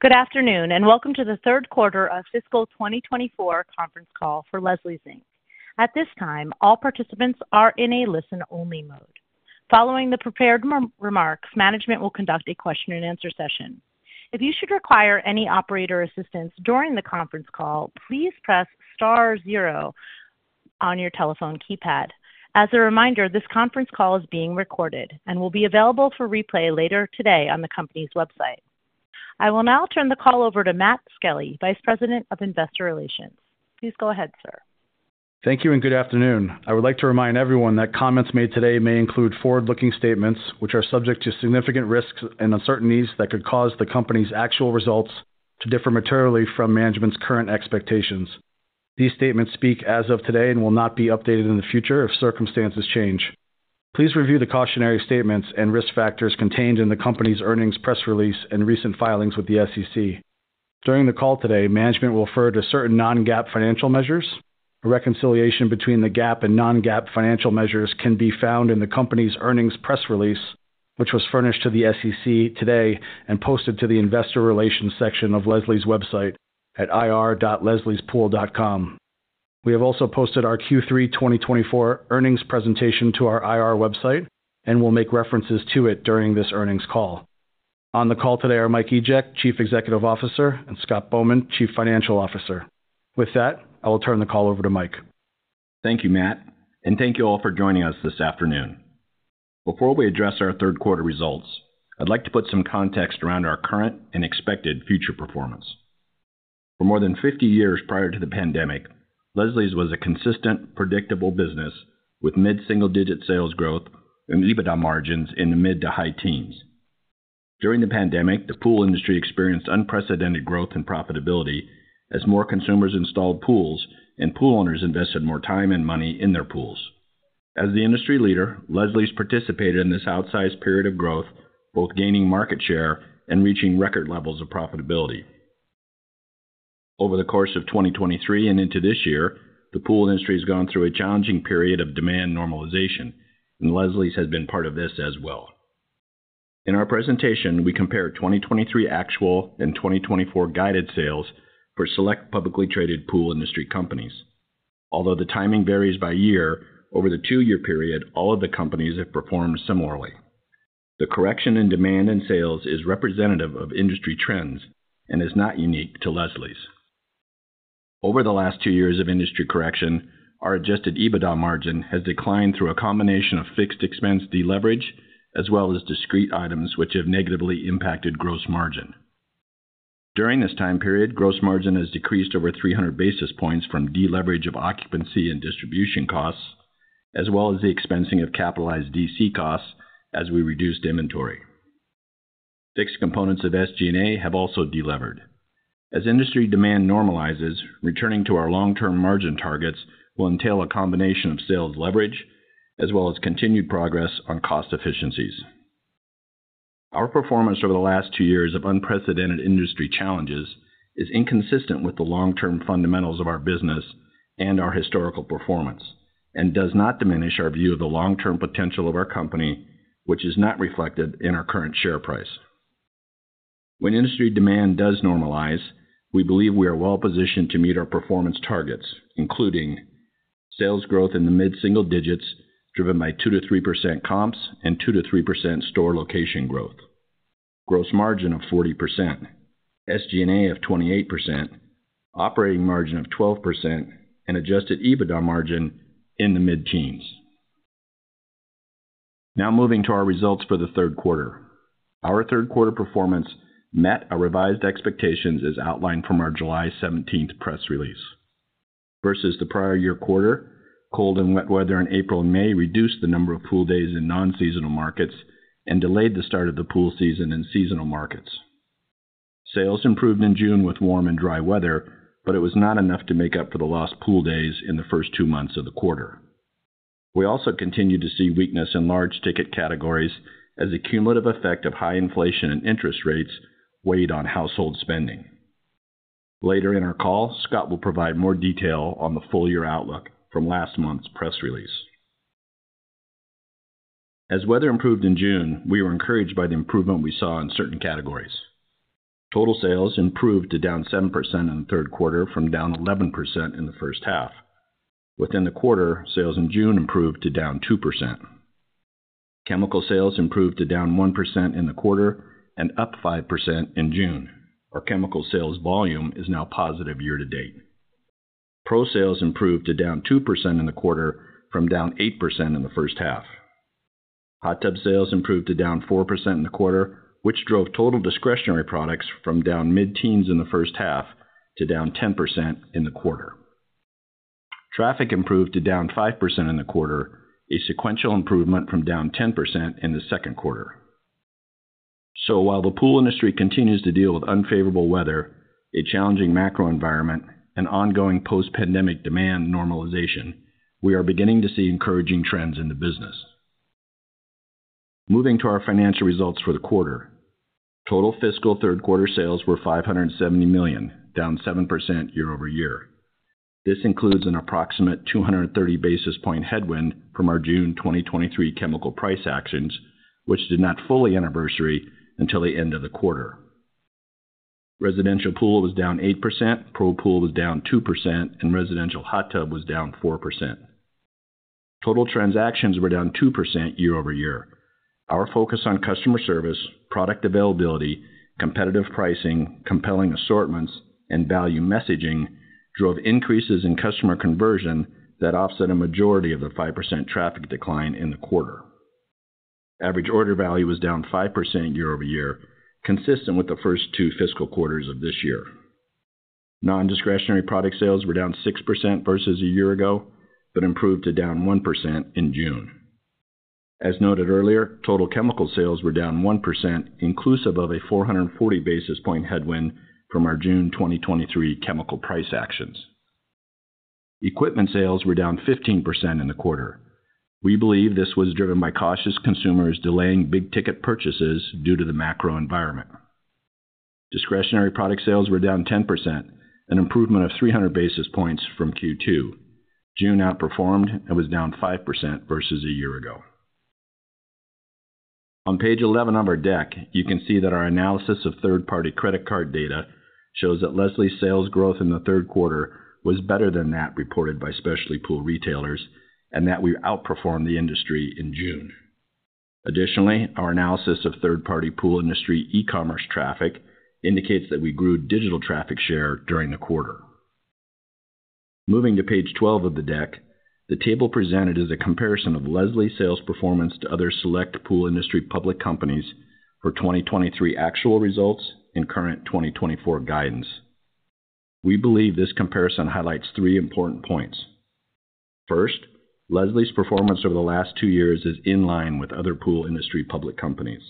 Good afternoon, and welcome to the third quarter of fiscal 2024 conference call for Leslie's, Inc. At this time, all participants are in a listen-only mode. Following the prepared remarks, management will conduct a question and answer session. If you should require any operator assistance during the conference call, please press star zero on your telephone keypad. As a reminder, this conference call is being recorded and will be available for replay later today on the company's website. I will now turn the call over to Matt Skelly, Vice President of Investor Relations. Please go ahead, sir. Thank you, and good afternoon. I would like to remind everyone that comments made today may include forward-looking statements, which are subject to significant risks and uncertainties that could cause the company's actual results to differ materially from management's current expectations. These statements speak as of today and will not be updated in the future if circumstances change. Please review the cautionary statements and risk factors contained in the company's earnings press release and recent filings with the SEC. During the call today, management will refer to certain non-GAAP financial measures. A reconciliation between the GAAP and non-GAAP financial measures can be found in the company's earnings press release, which was furnished to the SEC today and posted to the investor relations section of Leslie's website at ir.lesliespool.com. We have also posted our Q3 2024 earnings presentation to our IR website and will make references to it during this earnings call. On the call today are Mike Egeck, Chief Executive Officer, and Scott Bowman, Chief Financial Officer. With that, I will turn the call over to Mike. Thank you, Matt, and thank you all for joining us this afternoon. Before we address our third quarter results, I'd like to put some context around our current and expected future performance. For more than 50 years prior to the pandemic, Leslie's was a consistent, predictable business with mid-single-digit sales growth and EBITDA margins in the mid to high teens. During the pandemic, the pool industry experienced unprecedented growth and profitability as more consumers installed pools and pool owners invested more time and money in their pools. As the industry leader, Leslie's participated in this outsized period of growth, both gaining market share and reaching record levels of profitability. Over the course of 2023 and into this year, the pool industry has gone through a challenging period of demand normalization, and Leslie's has been part of this as well. In our presentation, we compare 2023 actual and 2024 guided sales for select publicly traded pool industry companies. Although the timing varies by year, over the two-year period, all of the companies have performed similarly. The correction in demand and sales is representative of industry trends and is not unique to Leslie's. Over the last two years of industry correction, our adjusted EBITDA margin has declined through a combination of fixed expense deleverage, as well as discrete items which have negatively impacted gross margin. During this time period, gross margin has decreased over 300 basis points from deleverage of occupancy and distribution costs, as well as the expensing of capitalized DC costs as we reduced inventory. Fixed components of SG&A have also delevered. As industry demand normalizes, returning to our long-term margin targets will entail a combination of sales leverage as well as continued progress on cost efficiencies. Our performance over the last two years of unprecedented industry challenges is inconsistent with the long-term fundamentals of our business and our historical performance and does not diminish our view of the long-term potential of our company, which is not reflected in our current share price. When industry demand does normalize, we believe we are well positioned to meet our performance targets, including sales growth in the mid-single digits, driven by 2% to 3% comps and 2% to 3% store location growth, gross margin of 40%, SG&A of 28%, operating margin of 12%, and Adjusted EBITDA margin in the mid-teens. Now moving to our results for the third quarter. Our third quarter performance met our revised expectations, as outlined from our July 17 press release. Versus the prior year quarter, cold and wet weather in April and May reduced the number of pool days in non-seasonal markets and delayed the start of the pool season in seasonal markets. Sales improved in June with warm and dry weather, but it was not enough to make up for the lost pool days in the first two months of the quarter. We also continued to see weakness in large ticket categories as a cumulative effect of high inflation and interest rates weighed on household spending. Later in our call, Scott will provide more detail on the full year outlook from last month's press release. As weather improved in June, we were encouraged by the improvement we saw in certain categories. Total sales improved to down 7% in the third quarter from down 11% in the first half. Within the quarter, sales in June improved to down 2%. Chemical sales improved to down 1% in the quarter and up 5% in June. Our chemical sales volume is now positive year-to-date. Pro sales improved to down 2% in the quarter from down 8% in the first half. Hot tub sales improved to down 4% in the quarter, which drove total discretionary products from down mid-teens in the first half to down 10% in the quarter. Traffic improved to down 5% in the quarter, a sequential improvement from down 10% in the second quarter. So while the pool industry continues to deal with unfavorable weather, a challenging macro environment, and ongoing post-pandemic demand normalization, we are beginning to see encouraging trends in the business. Moving to our financial results for the quarter. Total fiscal third quarter sales were $570 million, down 7% year-over-year. This includes an approximate 230 basis point headwind from our June 2023 chemical price actions, which did not fully anniversary until the end of the quarter. Residential pool was down 8%, Pro pool was down 2%, and residential hot tub was down 4%. Total transactions were down 2% year-over-year. Our focus on customer service, product availability, competitive pricing, compelling assortments, and value messaging drove increases in customer conversion that offset a majority of the 5% traffic decline in the quarter. Average order value was down 5% year-over-year, consistent with the first two fiscal quarters of this year. Nondiscretionary product sales were down 6% versus a year ago, but improved to down 1% in June. As noted earlier, total chemical sales were down 1%, inclusive of a 440 basis point headwind from our June 2023 chemical price actions. Equipment sales were down 15% in the quarter. We believe this was driven by cautious consumers delaying big-ticket purchases due to the macro environment. Discretionary product sales were down 10%, an improvement of 300 basis points from Q2. June outperformed and was down 5% versus a year ago. On page 11 of our deck, you can see that our analysis of third-party credit card data shows that Leslie's sales growth in the third quarter was better than that reported by specialty pool retailers and that we outperformed the industry in June. Additionally, our analysis of third-party pool industry e-commerce traffic indicates that we grew digital traffic share during the quarter. Moving to page 12 of the deck, the table presented is a comparison of Leslie's sales performance to other select pool industry public companies for 2023 actual results and current 2024 guidance. We believe this comparison highlights three important points. First, Leslie's performance over the last two years is in line with other pool industry public companies.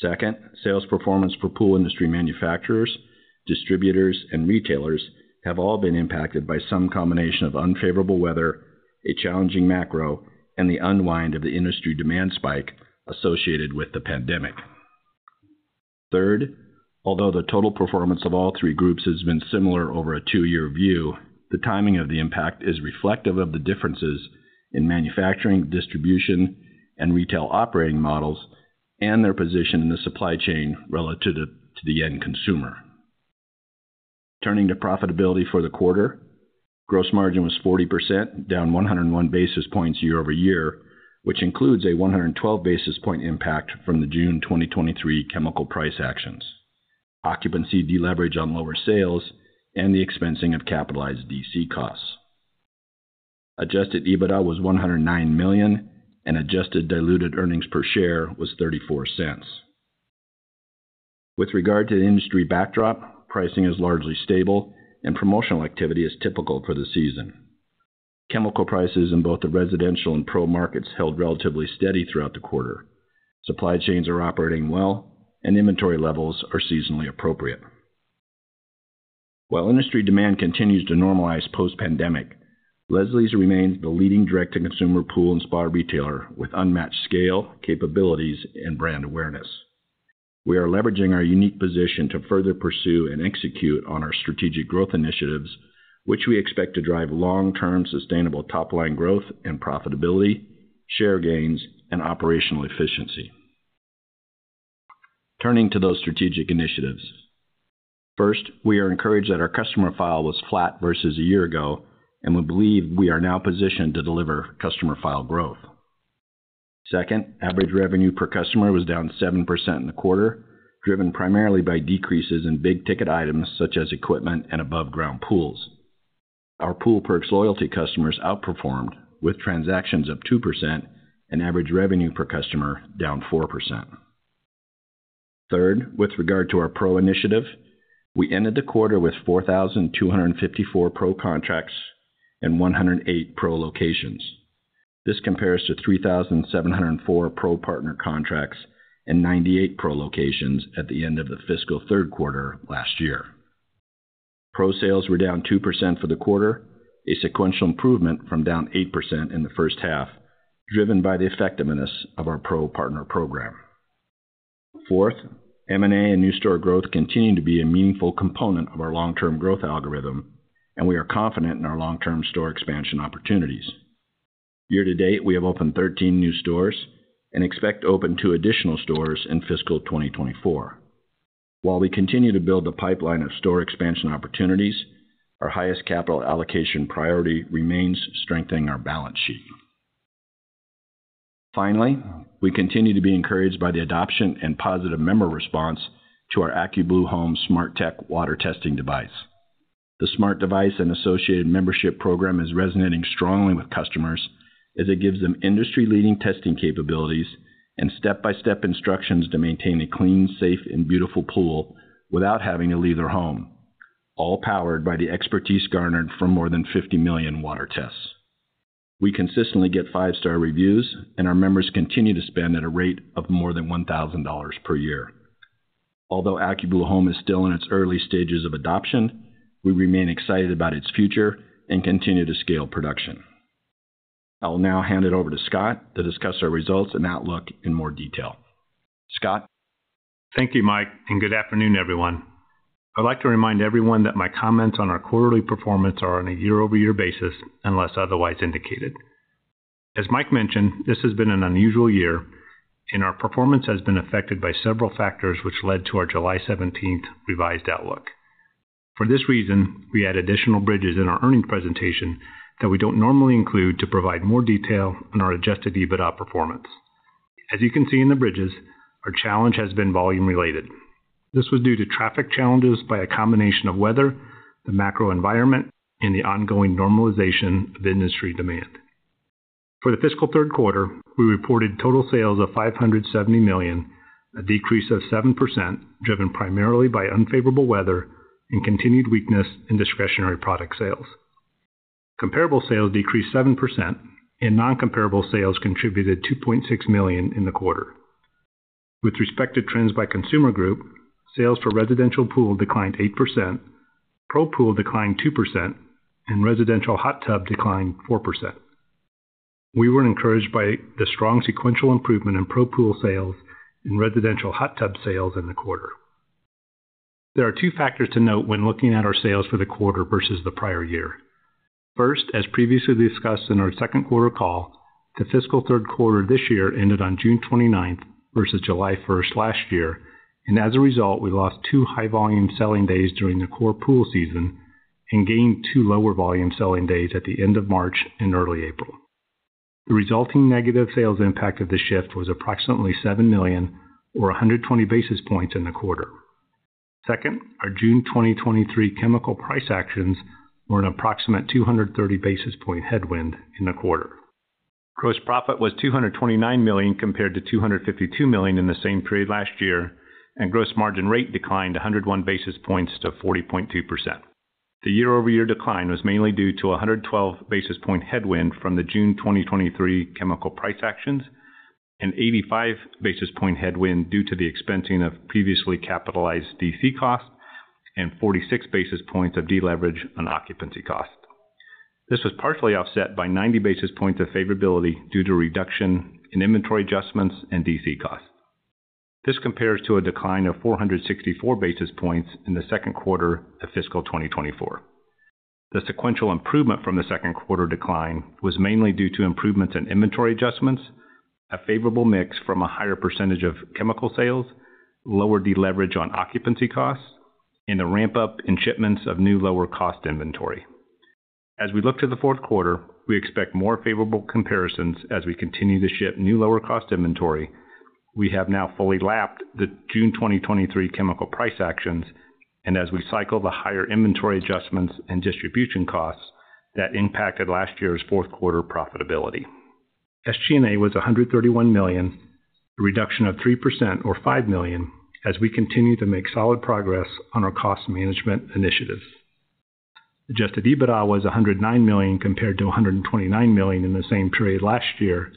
Second, sales performance for pool industry manufacturers, distributors, and retailers have all been impacted by some combination of unfavorable weather, a challenging macro, and the unwind of the industry demand spike associated with the pandemic. Third, although the total performance of all three groups has been similar over a two-year view, the timing of the impact is reflective of the differences in manufacturing, distribution, and retail operating models, and their position in the supply chain relative to the end consumer. Turning to profitability for the quarter, gross margin was 40%, down 101 basis points year-over-year, which includes a 112 basis point impact from the June 2023 chemical price actions, occupancy deleverage on lower sales, and the expensing of capitalized DC costs. Adjusted EBITDA was $109 million, and adjusted diluted earnings per share was $0.34. With regard to the industry backdrop, pricing is largely stable and promotional activity is typical for the season. Chemical prices in both the residential and pro markets held relatively steady throughout the quarter. Supply chains are operating well, and inventory levels are seasonally appropriate. While industry demand continues to normalize post-pandemic, Leslie's remains the leading direct-to-consumer pool and spa retailer with unmatched scale, capabilities, and brand awareness. We are leveraging our unique position to further pursue and execute on our strategic growth initiatives, which we expect to drive long-term sustainable top-line growth and profitability, share gains, and operational efficiency. Turning to those strategic initiatives. First, we are encouraged that our customer file was flat versus a year ago, and we believe we are now positioned to deliver customer file growth. Second, average revenue per customer was down 7% in the quarter, driven primarily by decreases in big-ticket items such as equipment and above-ground pools. Our Pool Perks loyalty customers outperformed, with transactions up 2% and average revenue per customer down 4%. Third, with regard to our Pro initiative, we ended the quarter with 4,254 Pro contracts and 108 Pro locations. This compares to 3,704 Pro Partner contracts and 98 Pro locations at the end of the fiscal third quarter last year. Pro sales were down 2% for the quarter, a sequential improvement from down 8% in the first half, driven by the effectiveness of our Pro Partner program. Fourth, M&A and new store growth continue to be a meaningful component of our long-term growth algorithm, and we are confident in our long-term store expansion opportunities. Year-to-date, we have opened 13 new stores and expect to open two additional stores in fiscal 2024. While we continue to build a pipeline of store expansion opportunities, our highest capital allocation priority remains strengthening our balance sheet. Finally, we continue to be encouraged by the adoption and positive member response to our AccuBlue Home smart tech water testing device. The smart device and associated membership program is resonating strongly with customers, as it gives them industry-leading testing capabilities and step-by-step instructions to maintain a clean, safe, and beautiful pool without having to leave their home, all powered by the expertise garnered from more than 50 million water tests. We consistently get five-star reviews, and our members continue to spend at a rate of more than $1,000 per year. Although AccuBlue Home is still in its early stages of adoption, we remain excited about its future and continue to scale production. I'll now hand it over to Scott to discuss our results and outlook in more detail. Scott? Thank you, Mike, and good afternoon, everyone. I'd like to remind everyone that my comments on our quarterly performance are on a year-over-year basis, unless otherwise indicated. As Mike mentioned, this has been an unusual year, and our performance has been affected by several factors, which led to our July seventeenth revised outlook. For this reason, we add additional bridges in our earnings presentation that we don't normally include to provide more detail on our Adjusted EBITDA performance. As you can see in the bridges, our challenge has been volume-related. This was due to traffic challenges by a combination of weather, the macro environment, and the ongoing normalization of industry demand. For the fiscal third quarter, we reported total sales of $570 million, a decrease of 7%, driven primarily by unfavorable weather and continued weakness in discretionary product sales. Comparable sales decreased 7%, and non-comparable sales contributed $2.6 million in the quarter. With respect to trends by consumer group, sales for residential pool declined 8%, Pro pool declined 2%, and residential hot tub declined 4%. We were encouraged by the strong sequential Pro pool sales and residential hot tub sales in the quarter. There are two factors to note when looking at our sales for the quarter versus the prior year. First, as previously discussed in our second quarter call, the fiscal third quarter this year ended on June 29th versus July 1st last year, and as a result, we lost two high-volume selling days during the core pool season and gained two lower volume selling days at the end of March and early April. The resulting negative sales impact of the shift was approximately $7 million or 120 basis points in the quarter. Second, our June 2023 chemical price actions were an approximate 230 basis points headwind in the quarter. Gross profit was $229 million, compared to $252 million in the same period last year, and gross margin rate declined 101 basis points to 40.2%. The year-over-year decline was mainly due to a 112 basis points headwind from the June 2023 chemical price actions, an 85 basis points headwind due to the expensing of previously capitalized DC costs, and 46 basis points of deleverage on occupancy costs. This was partially offset by 90 basis points of favorability due to reduction in inventory adjustments and DC costs. This compares to a decline of 464 basis points in the second quarter of fiscal 2024. The sequential improvement from the second quarter decline was mainly due to improvements in inventory adjustments, a favorable mix from a higher percentage of chemical sales, lower deleverage on occupancy costs, and a ramp-up in shipments of new, lower-cost inventory. As we look to the fourth quarter, we expect more favorable comparisons as we continue to ship new, lower-cost inventory. We have now fully lapped the June 2023 chemical price actions and as we cycle the higher inventory adjustments and distribution costs that impacted last year's fourth quarter profitability. SG&A was $131 million, a reduction of 3% or $5 million, as we continue to make solid progress on our cost management initiatives. Adjusted EBITDA was $109 million, compared to $129 million in the same period last year,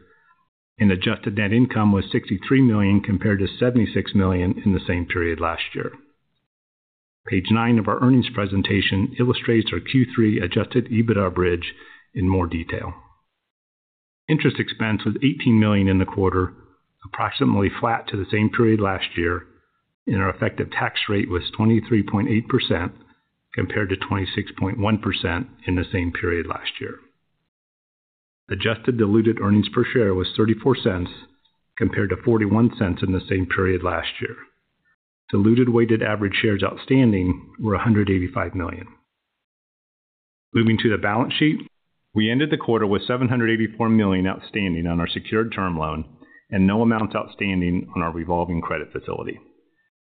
and adjusted net income was $63 million, compared to $76 million in the same period last year. Page nine of our earnings presentation illustrates our Q3 adjusted EBITDA bridge in more detail. Interest expense was $18 million in the quarter, approximately flat to the same period last year, and our effective tax rate was 23.8%, compared to 26.1% in the same period last year. Adjusted diluted earnings per share was $0.34, compared to $0.41 in the same period last year. Diluted weighted average shares outstanding were 185 million. Moving to the balance sheet, we ended the quarter with $784 million outstanding on our secured term loan and no amounts outstanding on our revolving credit facility.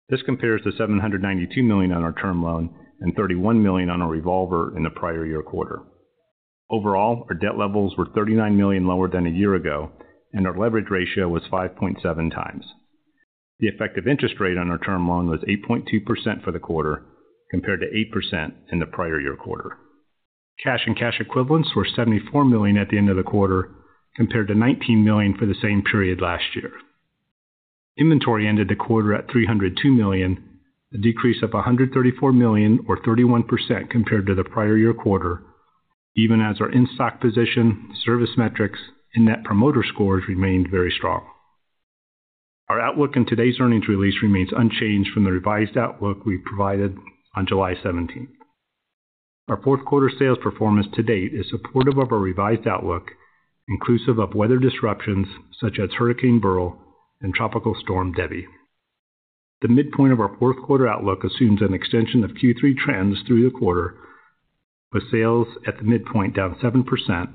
This compares to $792 million on our term loan and $31 million on our revolver in the prior year quarter. Overall, our debt levels were $39 million lower than a year ago, and our leverage ratio was 5.7 times. The effective interest rate on our term loan was 8.2% for the quarter, compared to 8% in the prior year quarter. Cash and cash equivalents were $74 million at the end of the quarter, compared to $19 million for the same period last year. Inventory ended the quarter at $302 million, a decrease of $134 million or 31% compared to the prior year quarter, even as our in-stock position, service metrics, and Net Promoter Scores remained very strong. Our outlook in today's earnings release remains unchanged from the revised outlook we provided on July seventeenth. Our fourth quarter sales performance to date is supportive of our revised outlook, inclusive of weather disruptions such as Hurricane Beryl and Tropical Storm Debby. The midpoint of our fourth quarter outlook assumes an extension of Q3 trends through the quarter, with sales at the midpoint down 7%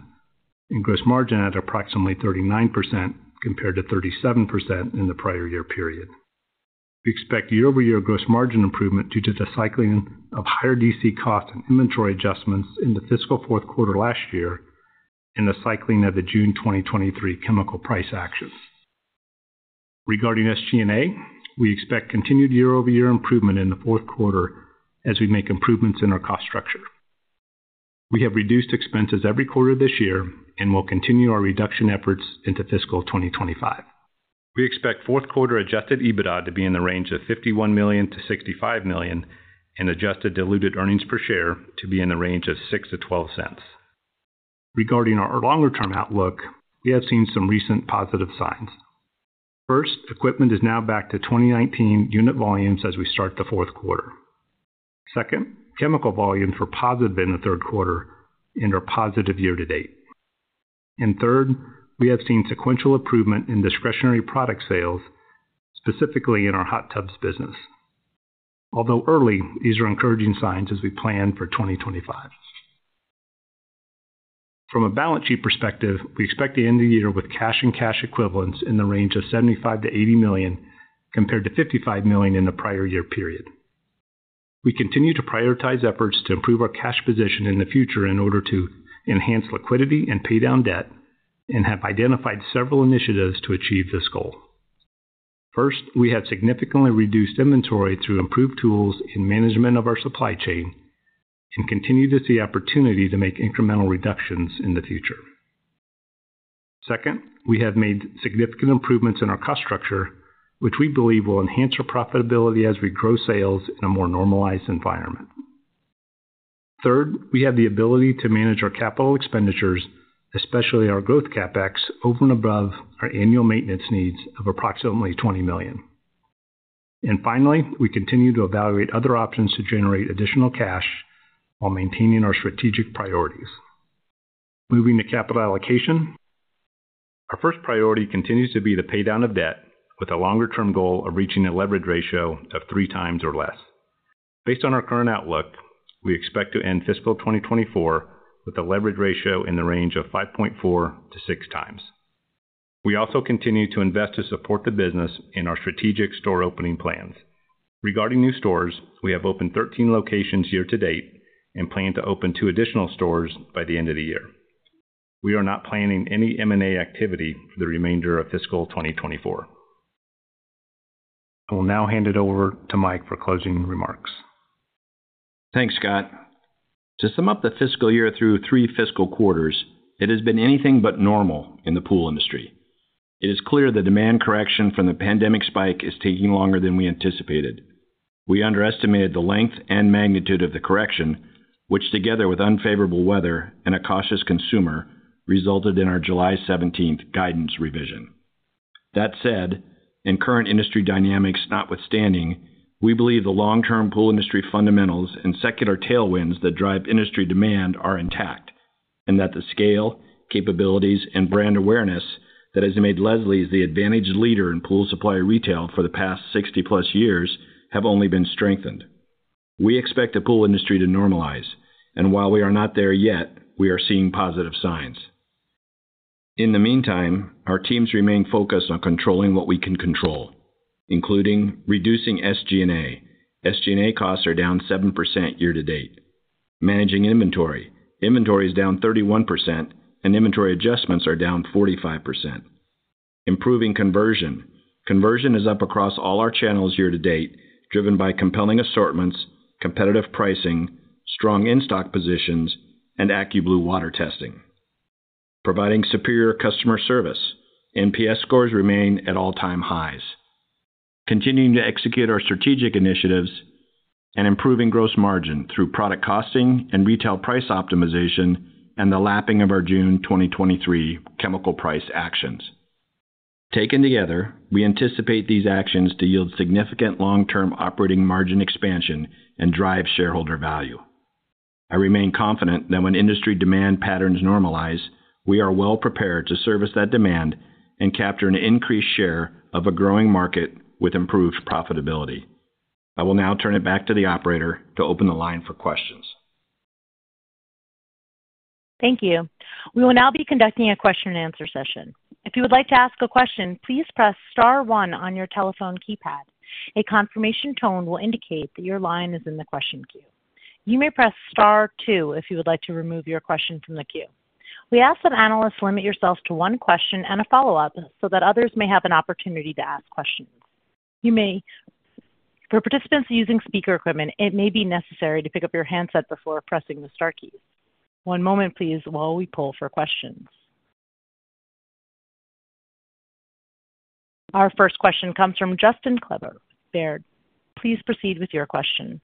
and gross margin at approximately 39%, compared to 37% in the prior year period. We expect year-over-year gross margin improvement due to the cycling of higher DC costs and inventory adjustments in the fiscal fourth quarter last year and the cycling of the June 2023 chemical price actions. Regarding SG&A, we expect continued year-over-year improvement in the fourth quarter as we make improvements in our cost structure. We have reduced expenses every quarter this year and will continue our reduction efforts into fiscal 2025. We expect fourth quarter Adjusted EBITDA to be in the range of $51 million to $65 million, and Adjusted Diluted Earnings Per Share to be in the range of $0.06 to $0.12. Regarding our longer-term outlook, we have seen some recent positive signs. First, equipment is now back to 2019 unit volumes as we start the fourth quarter. Second, chemical volumes were positive in the third quarter and are positive year-to-date. And third, we have seen sequential improvement in discretionary product sales, specifically in our hot tubs business. Although early, these are encouraging signs as we plan for 2025. From a balance sheet perspective, we expect to end the year with cash and cash equivalents in the range of $75 million to $80 million, compared to $55 million in the prior year period. We continue to prioritize efforts to improve our cash position in the future in order to enhance liquidity and pay down debt, and have identified several initiatives to achieve this goal. First, we have significantly reduced inventory through improved tools in management of our supply chain and continue to see opportunity to make incremental reductions in the future. Second, we have made significant improvements in our cost structure, which we believe will enhance our profitability as we grow sales in a more normalized environment. Third, we have the ability to manage our capital expenditures, especially our growth CapEx, over and above our annual maintenance needs of approximately $20 million. And finally, we continue to evaluate other options to generate additional cash while maintaining our strategic priorities. Moving to capital allocation. Our first priority continues to be the pay down of debt with a longer-term goal of reaching a leverage ratio of 3 times or less. Based on our current outlook, we expect to end fiscal 2024 with a leverage ratio in the range of 5.4 to 6 times. We also continue to invest to support the business in our strategic store opening plans. Regarding new stores, we have opened 13 locations year-to-date and plan to open two additional stores by the end of the year. We are not planning any M&A activity for the remainder of fiscal 2024. I will now hand it over to Mike for closing remarks. Thanks, Scott. To sum up the fiscal year through three fiscal quarters, it has been anything but normal in the pool industry. It is clear the demand correction from the pandemic spike is taking longer than we anticipated. We underestimated the length and magnitude of the correction, which, together with unfavorable weather and a cautious consumer, resulted in our July 17 guidance revision. That said, in current industry dynamics notwithstanding, we believe the long-term pool industry fundamentals and secular tailwinds that drive industry demand are intact, and that the scale, capabilities, and brand awareness that has made Leslie's the advantaged leader in pool supply retail for the past 60-plus years have only been strengthened. We expect the pool industry to normalize, and while we are not there yet, we are seeing positive signs. In the meantime, our teams remain focused on controlling what we can control, including reducing SG&A. SG&A costs are down 7% year-to-date. Managing inventory. Inventory is down 31%, and inventory adjustments are down 45%. Improving conversion. Conversion is up across all our channels year-to-date, driven by compelling assortments, competitive pricing, strong in-stock positions, and AccuBlue water testing. Providing superior customer service. NPS scores remain at all-time highs, continuing to execute our strategic initiatives and improving gross margin through product costing and retail price optimization, and the lapping of our June 2023 chemical price actions. Taken together, we anticipate these actions to yield significant long-term operating margin expansion and drive shareholder value. I remain confident that when industry demand patterns normalize, we are well prepared to service that demand and capture an increased share of a growing market with improved profitability. I will now turn it back to the operator to open the line for questions. Thank you. We will now be conducting a question and answer session. If you would like to ask a question, please press star one on your telephone keypad. A confirmation tone will indicate that your line is in the question queue. You may press star two if you would like to remove your question from the queue. We ask that analysts limit yourselves to one question and a follow-up so that others may have an opportunity to ask questions. For participants using speaker equipment, it may be necessary to pick up your handset before pressing the star key. One moment please while we pull for questions. Our first question comes from Justin Kleber, Baird. Please proceed with your question.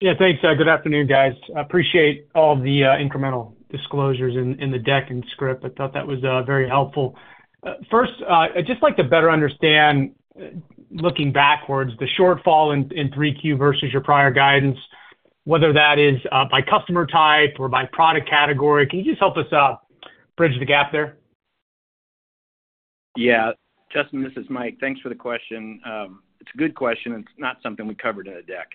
Yeah, thanks. Good afternoon, guys. I appreciate all the incremental disclosures in the deck and script. I thought that was very helpful. First, I'd just like to better understand, looking backwards, the shortfall in 3Q versus your prior guidance, whether that is by customer type or by product category. Can you just help us bridge the gap there? Yeah. Justin, this is Mike. Thanks for the question. It's a good question. It's not something we covered in the deck.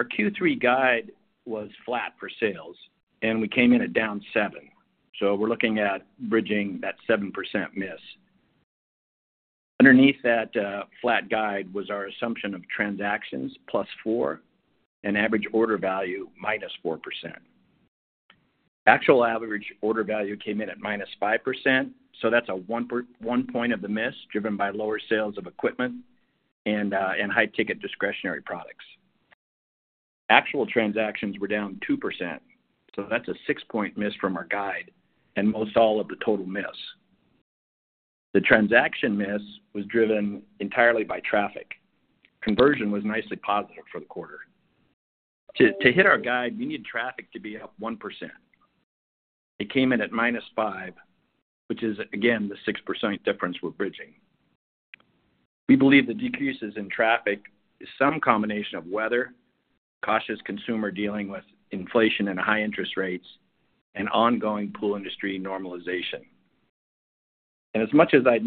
Our Q3 guide was flat for sales, and we came in at down 7, so we're looking at bridging that 7% miss. Underneath that, flat guide was our assumption of transactions +4% and average order value -4%. Actual average order value came in at -5%, so that's a one point of the miss, driven by lower sales of equipment and high-ticket discretionary products. Actual transactions were down 2%, so that's a six-point miss from our guide and most all of the total miss. The transaction miss was driven entirely by traffic. Conversion was nicely positive for the quarter. To hit our guide, we need traffic to be up 1%. It came in at -5, which is, again, the 6% difference we're bridging. We believe the decreases in traffic is some combination of weather, cautious consumer dealing with inflation and high interest rates, and ongoing pool industry normalization. And as much as I'd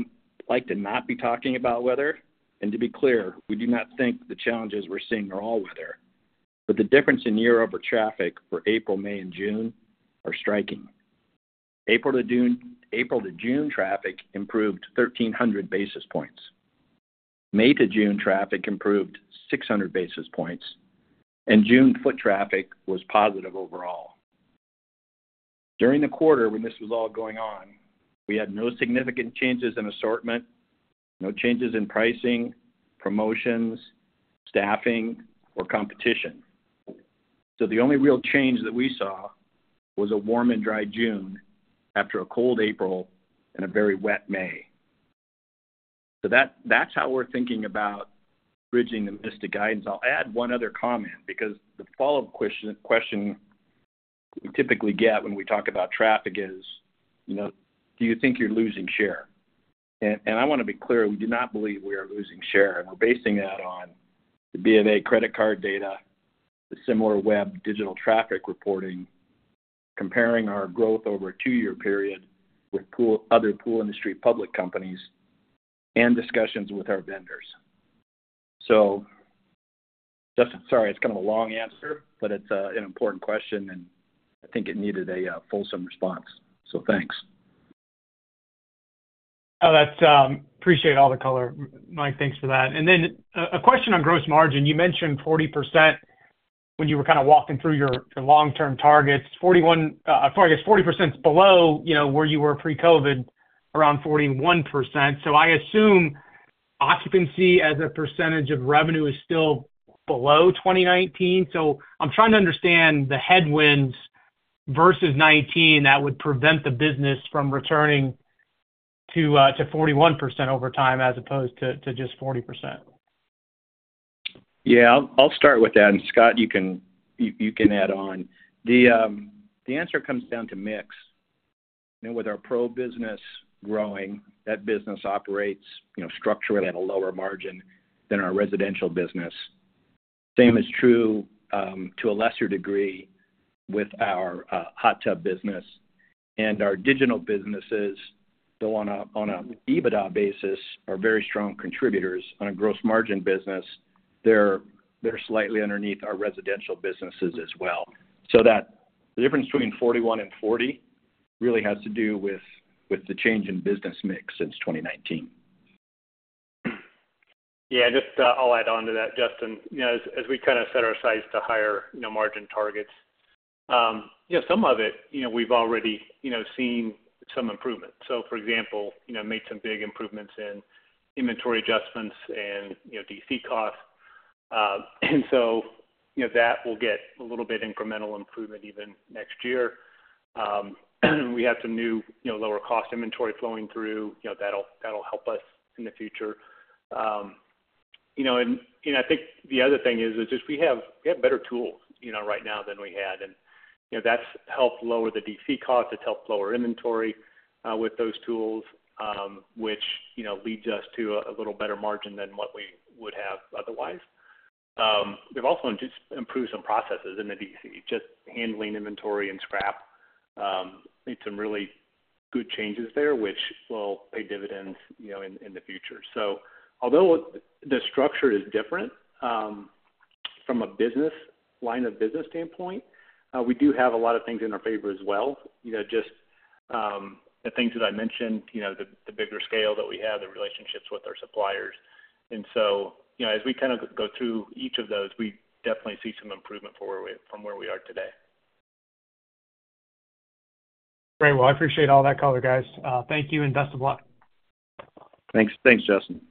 like to not be talking about weather, and to be clear, we do not think the challenges we're seeing are all weather, but the difference in year-over-year traffic for April, May and June are striking. April to June, April to June, traffic improved 1,300 basis points. May to June, traffic improved 600 basis points, and June foot traffic was positive overall. During the quarter when this was all going on, we had no significant changes in assortment, no changes in pricing, promotions, staffing, or competition. So the only real change that we saw was a warm and dry June after a cold April and a very wet May. So that, that's how we're thinking about bridging the missed guidance. I'll add one other comment, because the follow-up question we typically get when we talk about traffic is, you know, "Do you think you're losing share?" And I want to be clear, we do not believe we are losing share, and we're basing that on the B of A credit card data, the Similarweb digital traffic reporting, comparing our growth over a two-year period with pool-other pool industry public companies, and discussions with our vendors. So Justin, sorry, it's kind of a long answer, but it's, an important question, and I think it needed a, fulsome response. So thanks. Oh, that's. Appreciate all the color, Mike. Thanks for that. And then a question on gross margin. You mentioned 40% when you were kind of walking through your long-term targets. 41, sorry, I guess 40% is below, you know, where you were pre-COVID, around 41%. So I assume occupancy as a percentage of revenue is still below 2019. So I'm trying to understand the headwinds versus 2019 that would prevent the business from returning to 41% over time as opposed to just 40%. Yeah, I'll start with that, and Scott, you can add on. The answer comes down to mix. You know, with our Pro business growing, that business operates, you know, structurally at a lower margin than our residential business. Same is true, to a lesser degree with our hot tub business and our digital businesses, though on a EBITDA basis, are very strong contributors. On a gross margin basis, they're slightly underneath our residential businesses as well. So that the difference between 41 and 40 really has to do with the change in business mix since 2019. Yeah, just, I'll add on to that, Justin. You know, as we kind of set our sights to higher, you know, margin targets, you know, some of it, you know, we've already, you know, seen some improvement. So for example, you know, made some big improvements in inventory adjustments and, you know, DC costs. And so, you know, that will get a little bit incremental improvement even next year. We have some new, you know, lower cost inventory flowing through, you know, that'll help us in the future. You know, and, you know, I think the other thing is just we have better tools, you know, right now than we had, and, you know, that's helped lower the DC costs. It's helped lower inventory with those tools, which, you know, leads us to a little better margin than what we would have otherwise. We've also just improved some processes in the DC, just handling inventory and scrap. Made some really good changes there, which will pay dividends, you know, in the future. So although the structure is different from a business line of business standpoint, we do have a lot of things in our favor as well. You know, just the things that I mentioned, you know, the bigger scale that we have, the relationships with our suppliers. And so, you know, as we kind of go through each of those, we definitely see some improvement from where we are today. Great. Well, I appreciate all that color, guys. Thank you, and best of luck. Thanks. Thanks, Justin.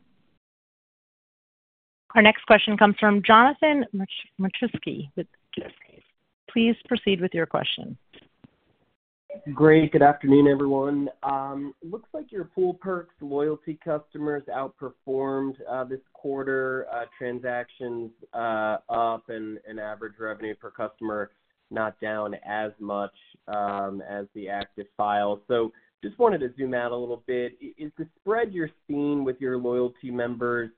Our next question comes from Jonathan Matuszewski with Jefferies. Please proceed with your question. Great. Good afternoon, everyone. Looks like your Pool Perks loyalty customers outperformed this quarter, transactions up and average revenue per customer not down as much as the active file. So just wanted to zoom out a little bit. Is the spread you're seeing with your loyalty members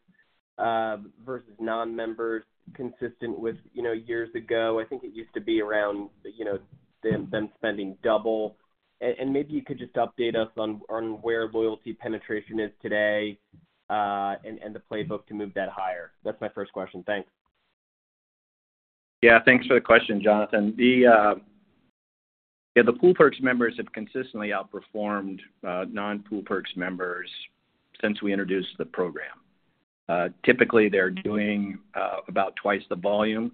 versus non-members consistent with years ago? I think it used to be around, you know, them spending double. And maybe you could just update us on where loyalty penetration is today and the playbook to move that higher. That's my first question. Thanks. Yeah, thanks for the question, Jonathan. The, yeah, the Pool Perks members have consistently outperformed non-Pool Perks members since we introduced the program. Typically, they're doing about twice the volume.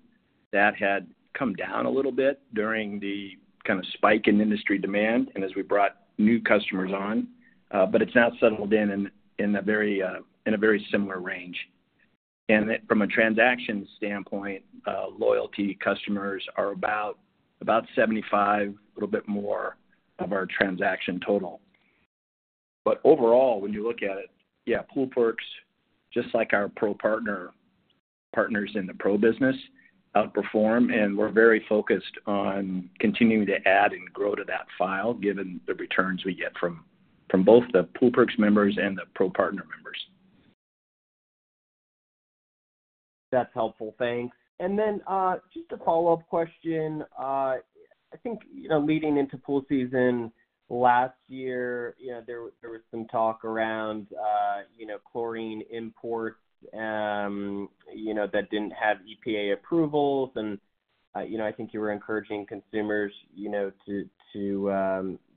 That had come down a little bit during the kind of spike in industry demand and as we brought new customers on, but it's now settled in a very similar range. And from a transaction standpoint, loyalty customers are about 75, a little bit more of our transaction total. But overall, when you look at it, yeah, Pool Perks, just like our Pro Partner partners in the Pro business, outperform, and we're very focused on continuing to add and grow to that file, given the returns we get from both the Pool Perks members and the Pro Partner members. That's helpful. Thanks. And then, just a follow-up question. I think, you know, leading into pool season last year, you know, there was some talk around, you know, chlorine imports, you know, that didn't have EPA approvals. And, you know, I think you were encouraging consumers, you know, to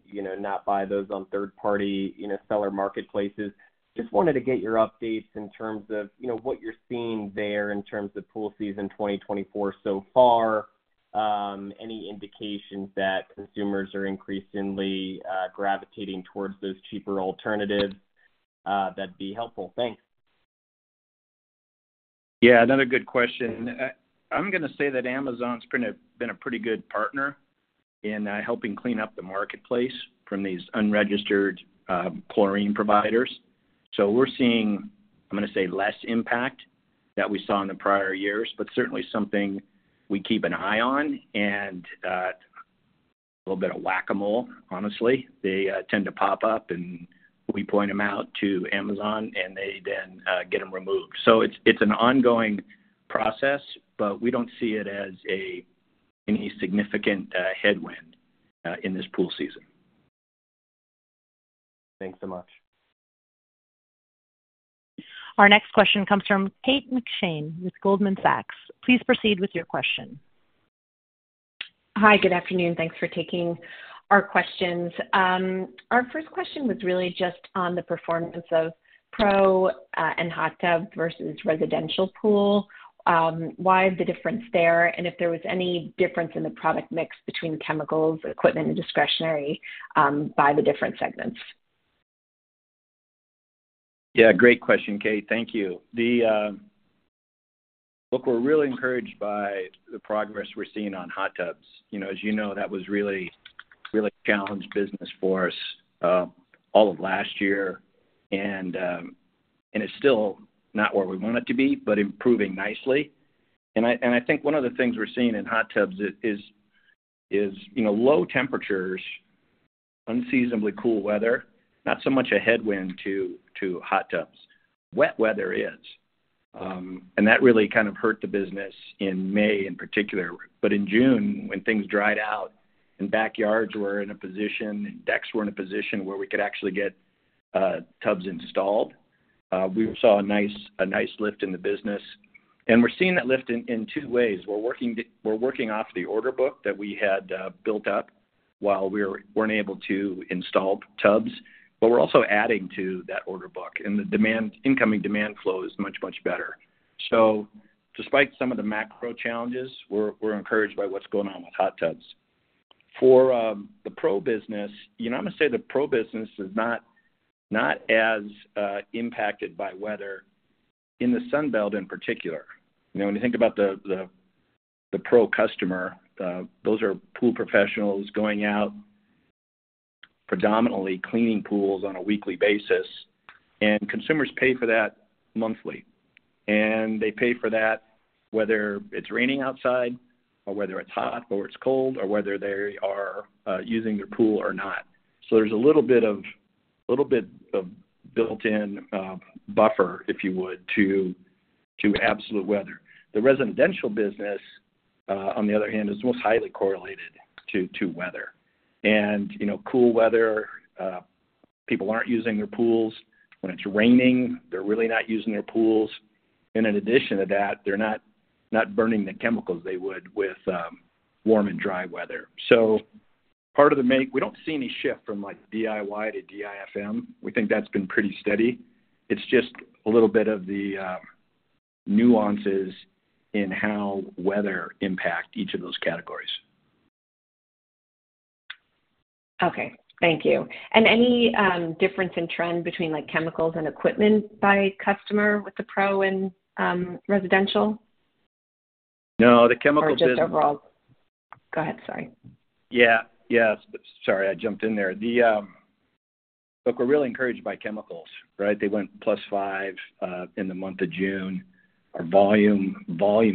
you know, not buy those on third-party, you know, seller marketplaces. Just wanted to get your updates in terms of, you know, what you're seeing there in terms of pool season 2024 so far, any indications that consumers are increasingly gravitating towards those cheaper alternatives, that'd be helpful. Thanks. Yeah, another good question. I'm gonna say that Amazon's pretty been a pretty good partner in helping clean up the marketplace from these unregistered chlorine providers. So we're seeing, I'm gonna say, less impact that we saw in the prior years, but certainly something we keep an eye on, and a little bit of whack-a-mole, honestly. They tend to pop up, and we point them out to Amazon, and they then get them removed. So it's an ongoing process, but we don't see it as any significant headwind in this pool season. Thanks so much. Our next question comes from Kate McShane with Goldman Sachs. Please proceed with your question. Hi, good afternoon. Thanks for taking our questions. Our first question was really just on the performance of Pro and hot tub versus residential pool. Why the difference there? And if there was any difference in the product mix between chemicals, equipment, and discretionary by the different segments? Yeah, great question, Kate. Thank you. Look, we're really encouraged by the progress we're seeing on hot tubs. You know, as you know, that was really, really challenged business for us, all of last year, and, and it's still not where we want it to be, but improving nicely. And I think one of the things we're seeing in hot tubs is, you know, low temperatures, unseasonably cool weather, not so much a headwind to hot tubs. Wet weather is, and that really kind of hurt the business in May, in particular. But in June, when things dried out and backyards were in a position and decks were in a position where we could actually get tubs installed, we saw a nice, a nice lift in the business. And we're seeing that lift in two ways. We're working, we're working off the order book that we had built up while we weren't able to install tubs, but we're also adding to that order book, and the demand, incoming demand flow is much, much better. So despite some of the macro challenges, we're encouraged by what's going on with hot tubs. For the Pro business, you know, I'm gonna say the Pro business is not as impacted by weather in the Sun Belt in particular. You know, when you think about the Pro customer, those are pool professionals going out, predominantly cleaning pools on a weekly basis, and consumers pay for that monthly. And they pay for that whether it's raining outside or whether it's hot or it's cold, or whether they are using their pool or not. So there's a little bit of built-in buffer, if you would, to absolute weather. The residential business, on the other hand, is most highly correlated to weather. And, you know, cool weather, people aren't using their pools. When it's raining, they're really not using their pools. And in addition to that, they're not burning the chemicals they would with warm and dry weather. So part of the makeup, we don't see any shift from, like, DIY to DIFM. We think that's been pretty steady. It's just a little bit of the nuances in how weather impact each of those categories. Okay. Thank you. And any difference in trend between, like, chemicals and equipment by customer with the Pro and residential? No, the chemical business- Or just overall. Go ahead, sorry. Yeah. Yeah, sorry, I jumped in there. Look, we're really encouraged by chemicals, right? They went +5% in the month of June. Our volume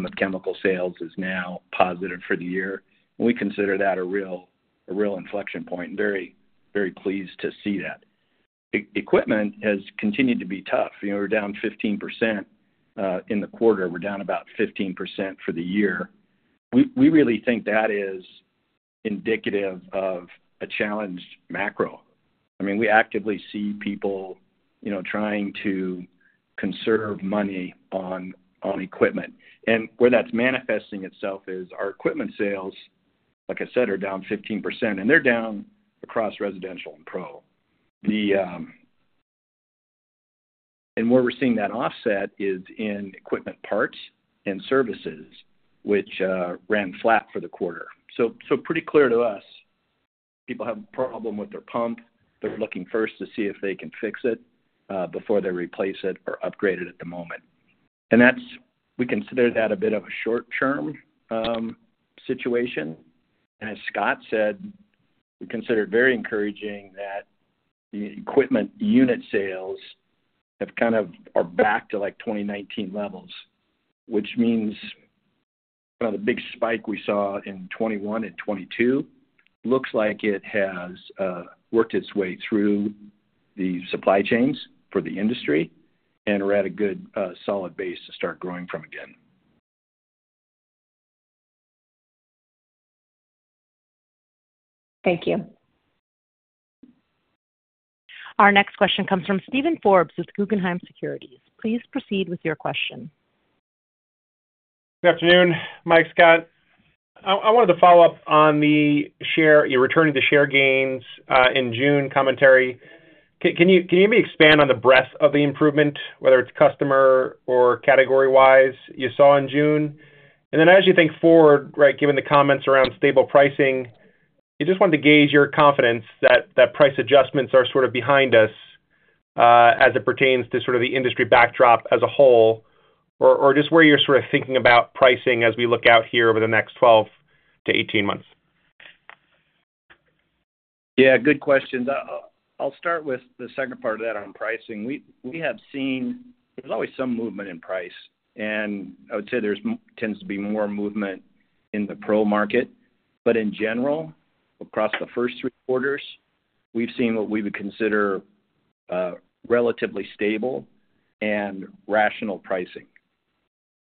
of chemical sales is now positive for the year. We consider that a real inflection point, very pleased to see that. Equipment has continued to be tough. You know, we're down 15% in the quarter. We're down about 15% for the year. We really think that is indicative of a challenged macro. I mean, we actively see people, you know, trying to conserve money on equipment. And where that's manifesting itself is our equipment sales, like I said, are down 15%, and they're down across residential and Pro. And where we're seeing that offset is in equipment parts and services, which ran flat for the quarter. So, pretty clear to us, people have a problem with their pump, they're looking first to see if they can fix it before they replace it or upgrade it at the moment. And that's. We consider that a bit of a short-term situation. And as Scott said, we consider it very encouraging that the equipment unit sales have kind of are back to, like, 2019 levels, which means, you know, the big spike we saw in 2021 and 2022 looks like it has worked its way through the supply chains for the industry, and we're at a good solid base to start growing from again. Thank you. Our next question comes from Steven Forbes with Guggenheim Securities. Please proceed with your question. Good afternoon, Mike, Scott. I wanted to follow up on the share, your return to share gains in June commentary. Can you maybe expand on the breadth of the improvement, whether it's customer or category-wise, you saw in June? And then as you think forward, right, given the comments around stable pricing, I just wanted to gauge your confidence that the price adjustments are sort of behind us, as it pertains to sort of the industry backdrop as a whole, or just where you're sort of thinking about pricing as we look out here over the next 12 to 18 months. Yeah, good questions. I'll start with the second part of that on pricing. We, we have seen. There's always some movement in price, and I would say there's tends to be more movement in the pro market. But in general, across the first three quarters, we've seen what we would consider relatively stable and rational pricing.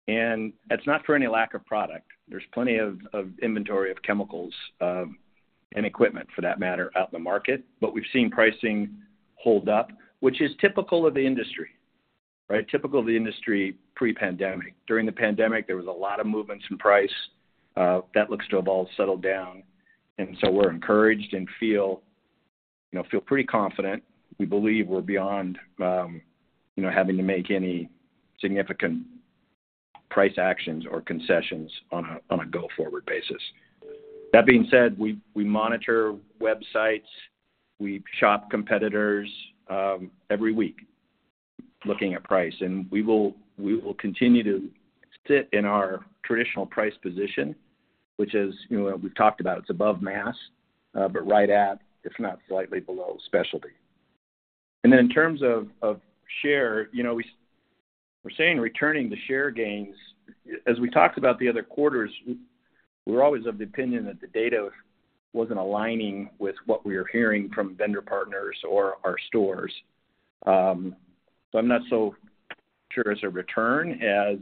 And that's not for any lack of product. There's plenty of, of inventory of chemicals and equipment for that matter out in the market, but we've seen pricing hold up, which is typical of the industry, right? Typical of the industry pre-pandemic. During the pandemic, there was a lot of movements in price. That looks to have all settled down, and so we're encouraged and feel, you know, feel pretty confident. We believe we're beyond, you know, having to make any significant price actions or concessions on a, on a go-forward basis. That being said, we, we monitor websites, we shop competitors, every week, looking at price, and we will, we will continue to sit in our traditional price position, which is, you know, we've talked about, it's above mass, but right at, if not slightly below, specialty. And then in terms of, of share, you know, we, we're saying returning to share gains. As we talked about the other quarters, we're always of the opinion that the data wasn't aligning with what we were hearing from vendor partners or our stores. So I'm not so sure it's a return, as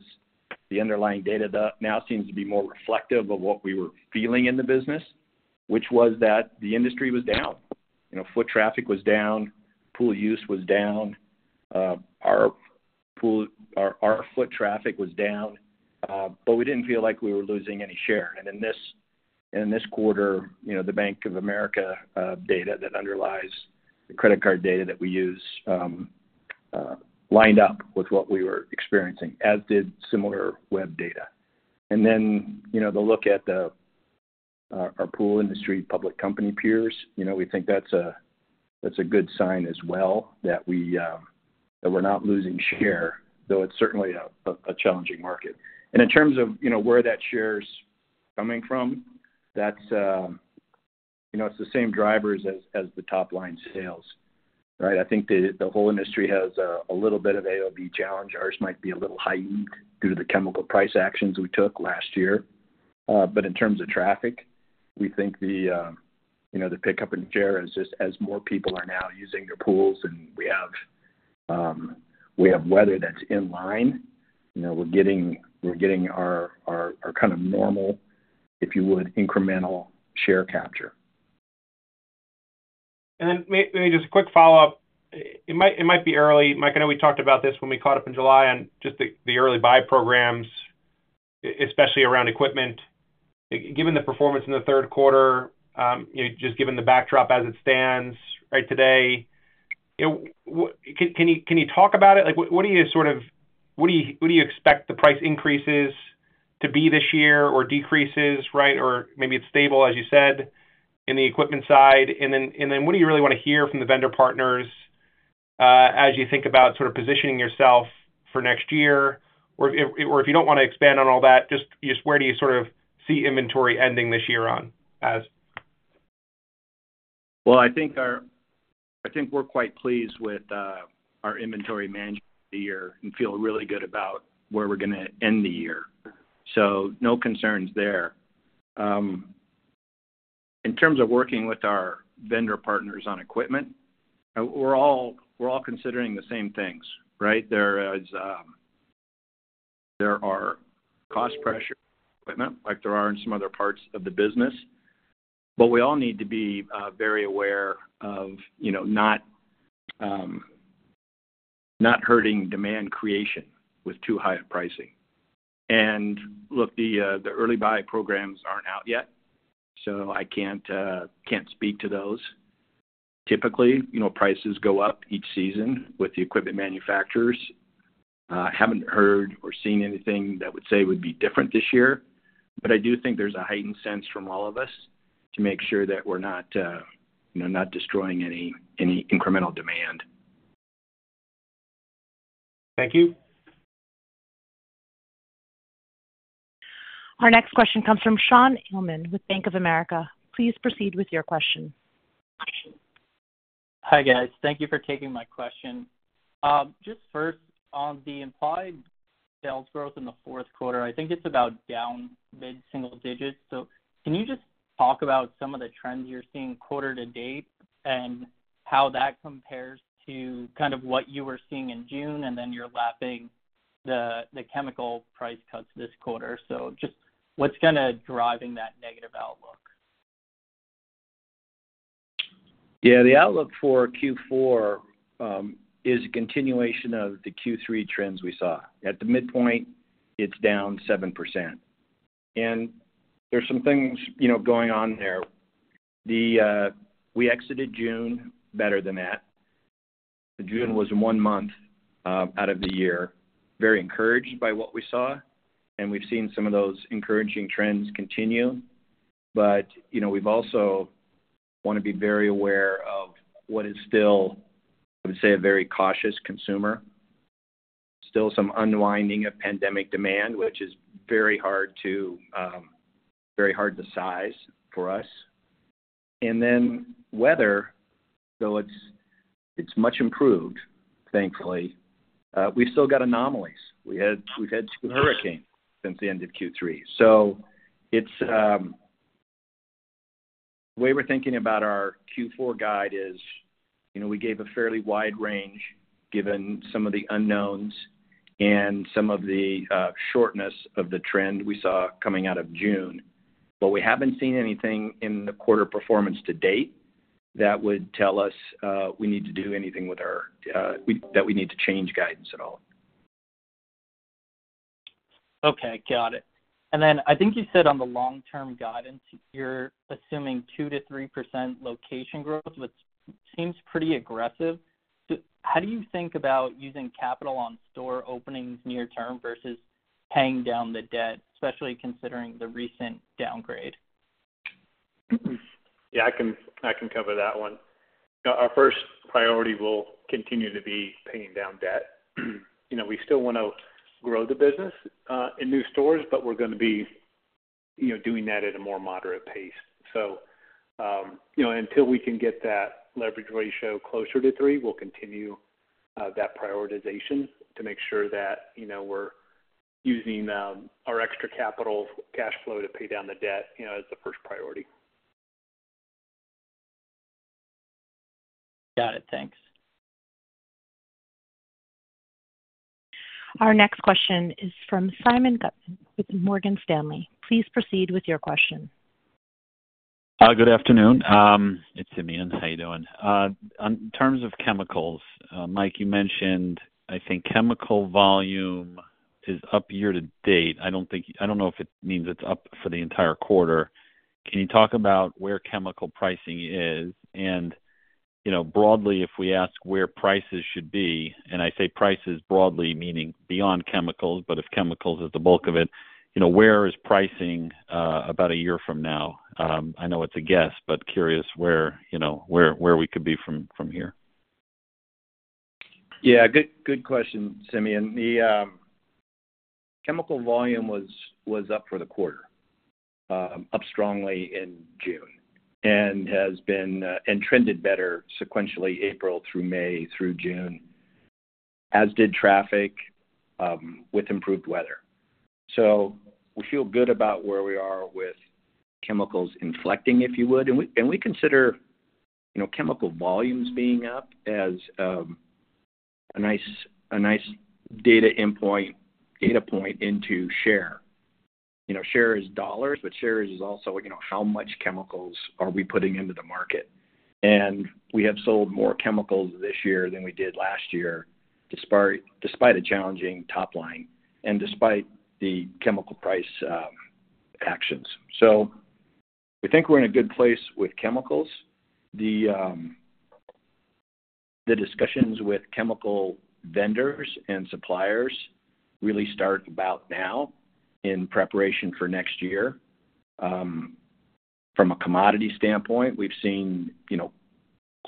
the underlying data now seems to be more reflective of what we were feeling in the business, which was that the industry was down. You know, foot traffic was down, pool use was down, our foot traffic was down, but we didn't feel like we were losing any share. And in this quarter, you know, the Bank of America data that underlies the credit card data that we use lined up with what we were experiencing, as did Similarweb data. And then, you know, the look at our pool industry public company peers, you know, we think that's a good sign as well, that we're not losing share, though it's certainly a challenging market. And in terms of, you know, where that share's coming from, that's, you know, it's the same drivers as the top-line sales, right? I think the whole industry has a little bit of AOV challenge. Ours might be a little heightened due to the chemical price actions we took last year. But in terms of traffic, we think the, you know, the pickup in share as more people are now using their pools, and we have, we have weather that's in line, you know, we're getting, we're getting our, our, our kind of normal, if you would, incremental share capture. Then maybe just a quick follow-up. It might be early, Mike. I know we talked about this when we caught up in July, on just the early buy programs, especially around equipment. Given the performance in the third quarter, you know, just given the backdrop as it stands right today, you know, can you talk about it? Like, what do you sort of—what do you expect the price increases to be this year, or decreases, right? Or maybe it's stable, as you said, in the equipment side. And then what do you really want to hear from the vendor partners, as you think about sort of positioning yourself for next year? Or if you don't want to expand on all that, just where do you sort of see inventory ending this year on as? Well, I think we're quite pleased with our inventory management this year and feel really good about where we're gonna end the year. So no concerns there. In terms of working with our vendor partners on equipment, we're all considering the same things, right? There are cost pressures, equipment, like there are in some other parts of the business, but we all need to be very aware of, you know, not hurting demand creation with too high a pricing. And look, the early buy programs aren't out yet, so I can't speak to those. Typically, you know, prices go up each season with the equipment manufacturers. Haven't heard or seen anything that would say would be different this year, but I do think there's a heightened sense from all of us to make sure that we're not, you know, not destroying any incremental demand. Thank you. Our next question comes from Shaun Calnan with Bank of America. Please proceed with your question. Hi, guys. Thank you for taking my question. Just first, on the implied sales growth in the fourth quarter, I think it's about down mid-single digits. So can you just talk about some of the trends you're seeing quarter to date, and how that compares to kind of what you were seeing in June, and then you're lapping the chemical price cuts this quarter? So just what's kind of driving that negative outlook? Yeah, the outlook for Q4 is a continuation of the Q3 trends we saw. At the midpoint, it's down 7%. And there's some things, you know, going on there. We exited June better than that. June was one month out of the year, very encouraged by what we saw, and we've seen some of those encouraging trends continue. But, you know, we've also want to be very aware of what is still, I would say, a very cautious consumer. Still some unwinding of pandemic demand, which is very hard to very hard to size for us. And then weather, though it's, it's much improved, thankfully, we've still got anomalies. We've had two hurricanes since the end of Q3. So it's the way we're thinking about our Q4 guide is, you know, we gave a fairly wide range given some of the unknowns and some of the shortness of the trend we saw coming out of June. But we haven't seen anything in the quarter performance to date that would tell us we need to do anything with our that we need to change guidance at all. Okay, got it. Then I think you said on the long-term guidance, you're assuming 2%-3% location growth, which seems pretty aggressive. How do you think about using capital on store openings near term versus paying down the debt, especially considering the recent downgrade? Yeah, I can, I can cover that one. Our first priority will continue to be paying down debt. You know, we still want to grow the business, in new stores, but we're gonna be, you know, doing that at a more moderate pace. So, you know, until we can get that leverage ratio closer to three, we'll continue, that prioritization to make sure that, you know, we're using, our extra capital cash flow to pay down the debt, you know, as the first priority. Got it. Thanks. Our next question is from Simeon Gutman with Morgan Stanley. Please proceed with your question. Good afternoon. It's Simeon. How are you doing? In terms of chemicals, Mike, you mentioned, I think, chemical volume is up year-to-date. I don't know if it means it's up for the entire quarter. Can you talk about where chemical pricing is? And, you know, broadly, if we ask where prices should be, and I say prices broadly, meaning beyond chemicals, but if chemicals is the bulk of it, you know, where is pricing about a year from now? I know it's a guess, but curious where, you know, we could be from here. Yeah, good, good question, Simeon. The chemical volume was up for the quarter, up strongly in June, and has been and trended better sequentially April through May through June, as did traffic, with improved weather. So we feel good about where we are with chemicals inflecting, if you would. And we consider, you know, chemical volumes being up as a nice data endpoint, data point into share. You know, share is dollars, but shares is also, you know, how much chemicals are we putting into the market. And we have sold more chemicals this year than we did last year, despite a challenging top line and despite the chemical price actions. So we think we're in a good place with chemicals. The discussions with chemical vendors and suppliers really start about now in preparation for next year. From a commodity standpoint, we've seen, you know,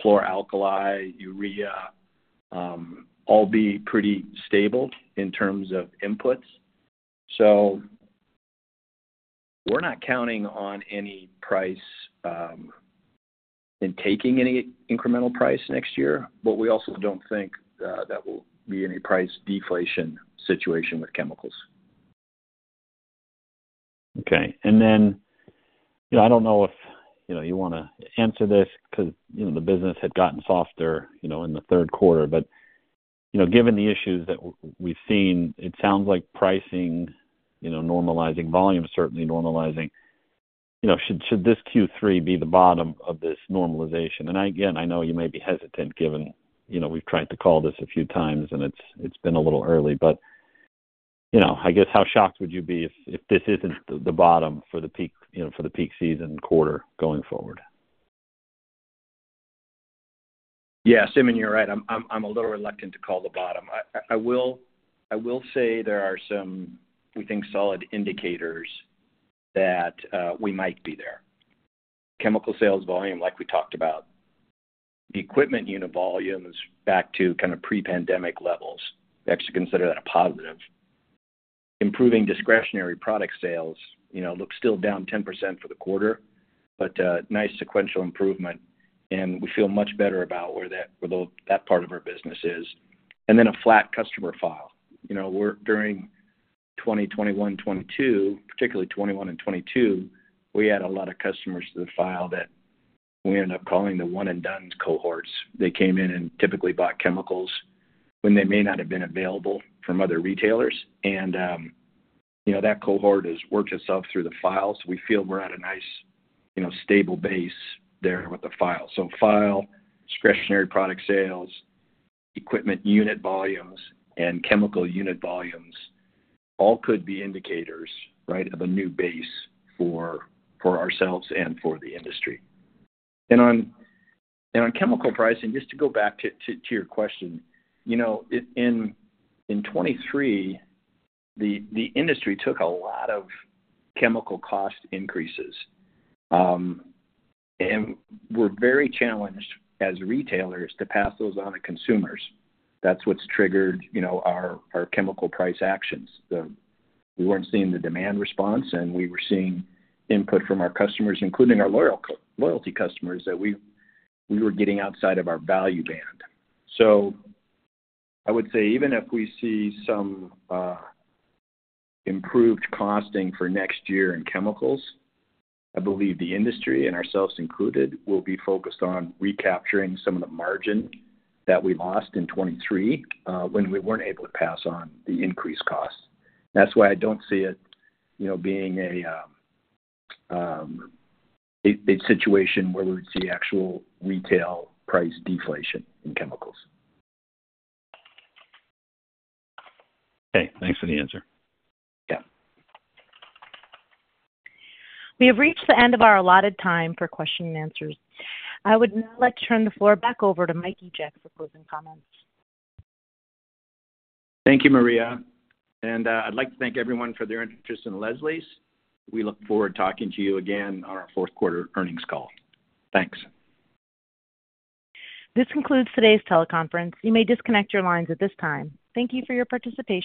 chlor-alkali, urea, all be pretty stable in terms of inputs. So we're not counting on any price, in taking any incremental price next year, but we also don't think, that will be any price deflation situation with chemicals. Okay. And then, you know, I don't know if, you know, you wanna answer this because, you know, the business had gotten softer, you know, in the third quarter, but, you know, given the issues that we've seen, it sounds like pricing, you know, normalizing, volume, certainly normalizing. You know, should this Q3 be the bottom of this normalization? And again, I know you may be hesitant, given, you know, we've tried to call this a few times, and it's, it's been a little early, but you know, I guess how shocked would you be if, if this isn't the, the bottom for the peak, you know, for the peak season quarter going forward? Yeah, Simeon, you're right. I'm a little reluctant to call the bottom. I will say there are some, we think, solid indicators that we might be there. Chemical sales volume, like we talked about. The equipment unit volume is back to kind of pre-pandemic levels. We actually consider that a positive. Improving discretionary product sales, you know, look still down 10% for the quarter, but nice sequential improvement, and we feel much better about where that, where that part of our business is. And then a flat customer file. You know, we're during 2021, 2022, particularly 2021 and 2022, we had a lot of customers to the file that we ended up calling the one and dones cohorts. They came in and typically bought chemicals when they may not have been available from other retailers. You know, that cohort has worked itself through the files. We feel we're at a nice, you know, stable base there with the file. File, discretionary product sales, equipment unit volumes, and chemical unit volumes all could be indicators, right, of a new base for ourselves and for the industry. And on chemical pricing, just to go back to your question, you know, in 2023, the industry took a lot of chemical cost increases. And we're very challenged as retailers to pass those on to consumers. That's what's triggered, you know, our chemical price actions. We weren't seeing the demand response, and we were seeing input from our customers, including our loyalty customers, that we were getting outside of our value band. So I would say, even if we see some improved costing for next year in chemicals, I believe the industry, and ourselves included, will be focused on recapturing some of the margin that we lost in 2023, when we weren't able to pass on the increased costs. That's why I don't see it, you know, being a situation where we would see actual retail price deflation in chemicals. Okay, thanks for the answer. Yeah. We have reached the end of our allotted time for question and answers. I would now like to turn the floor back over to Mike Egeck for closing comments. Thank you, Maria, and, I'd like to thank everyone for their interest in Leslie's. We look forward to talking to you again on our fourth quarter earnings call. Thanks. This concludes today's teleconference. You may disconnect your lines at this time. Thank you for your participation.